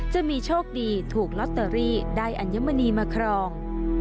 จะมีโชคดีถูกลอตเตอรี่ได้อัญมณีมาครอง